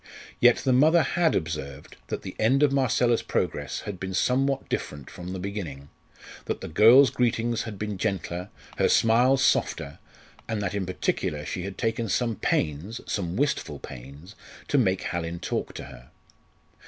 Yet the mother had observed that the end of Marcella's progress had been somewhat different from the beginning; that the girl's greetings had been gentler, her smiles softer; and that in particular she had taken some pains, some wistful pains, to make Hallin talk to her.